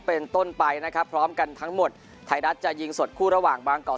เป็นต้นไปนะครับพร้อมกันทั้งหมดไทยรัฐจะยิงสดคู่ระหว่างบางกอก